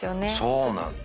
そうなんだ。